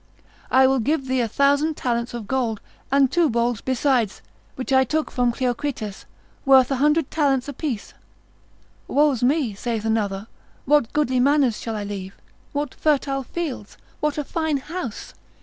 I will give thee a thousand talents of gold, and two boles besides, which I took from Cleocritus, worth a hundred talents apiece. Woe's me, saith another, what goodly manors shall I leave! what fertile fields! what a fine house!